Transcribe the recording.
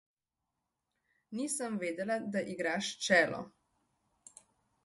Nisem vedela, da igraš čelo.